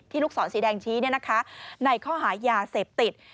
ลูกศรสีแดงชี้ในข้อหายาเสพติด